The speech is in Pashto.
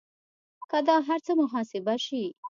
که دا هر څه محاسبه شي